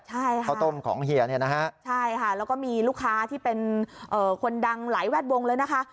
ใช่ค่ะใช่ค่ะแล้วก็มีลูกค้าที่เป็นคนดังหลายแวดวงเลยนะคะ